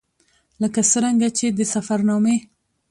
ـ لکه څرنګه چې د سفر نامې